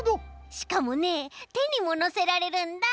しかもねてにものせられるんだ！